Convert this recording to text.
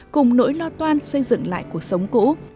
cùng nỗi lo toan xây dựng lại cuộc sống cũ